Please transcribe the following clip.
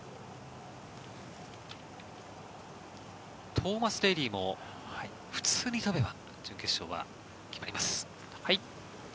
トーマス・デーリーも普通に飛べば準決勝が決まります。